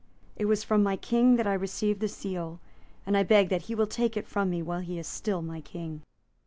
It was from my King that I received this seal; and I beg that he will take it from me while he is still my King."